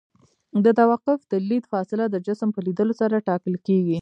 د توقف د لید فاصله د جسم په لیدلو سره ټاکل کیږي